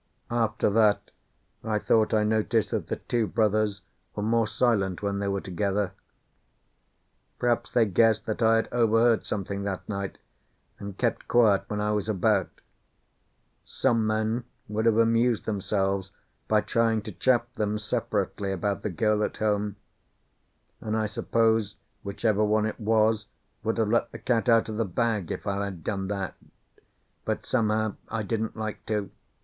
After that I thought I noticed that the two brothers were more silent when they were together. Perhaps they guessed that I had overheard something that night, and kept quiet when I was about. Some men would have amused themselves by trying to chaff them separately about the girl at home, and I suppose whichever one it was would have let the cat out of the bag if I had done that. But, somehow, I didn't like to.